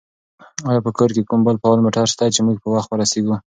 آیا په کور کې کوم بل فعال موټر شته چې موږ په وخت ورسېږو؟